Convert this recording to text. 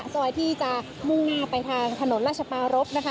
ซอยที่จะมุ่งหน้าไปทางถนนราชปารพนะคะ